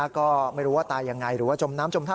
ก็ไม่รู้ว่าตายยังไงหรือว่าจมน้ำจมท่า